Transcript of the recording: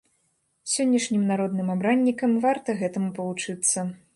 Сённяшнім народным абраннікам варта гэтаму павучыцца.